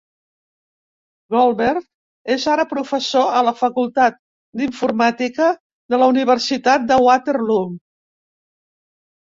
Goldberg és ara professor a la facultat d'Informàtica de la Universitat de Waterloo.